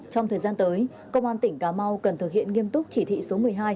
trong thời gian tới công an tỉnh cà mau cần thực hiện nghiêm túc chỉ thị số một mươi hai